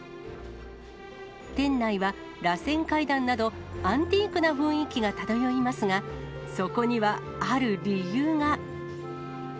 店内はらせん階段など、アンティークな雰囲気が漂いますが、そこにはある理由が。